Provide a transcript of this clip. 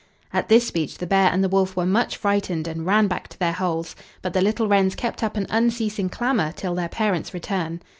At this speech the bear and the wolf were much frightened, and ran back to their holes; but the little wrens kept up an unceasing, clamor till their parents' return.